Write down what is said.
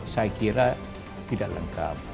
saya kira tidak lengkap